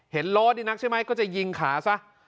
ล้อดีนักใช่ไหมก็จะยิงขาซะ